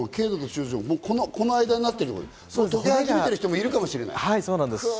この間になってると溶け始めている方もいるかもしれない。